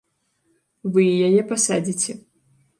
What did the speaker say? Вы і яе пасадзіце?